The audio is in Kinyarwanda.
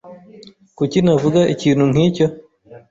Kuki navuga ikintu nkicyo?